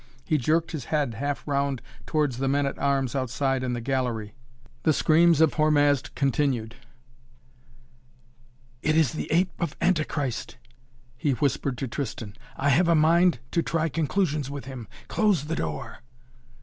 He jerked his head half round towards the men at arms outside in the gallery. The screams of Hormazd continued. "It is the Ape of Antichrist," he whispered to Tristan. "I have a mind to try conclusions with him. Close the door."